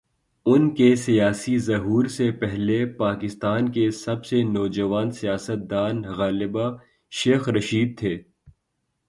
ان کے سیاسی ظہور سے پہلے، پاکستان کے سب سے "نوجوان سیاست دان" غالبا شیخ رشید تھے۔